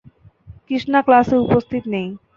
কৃষ্ণা ক্লাসে উপস্থিত নেই।